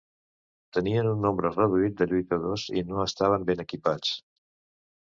Tenien un nombre reduït de lluitadors i no estaven ben equipats.